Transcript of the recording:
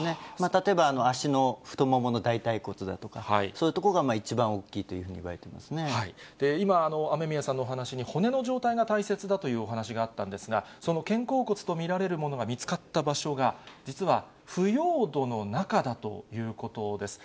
例えば足の太ももの大たい骨だとか、そういう所が一番多いという今、雨宮さんのお話に、骨の状態が大切だというお話があったんですが、その肩甲骨と見られるものが見つかった場所が、実は腐葉土の中だということです。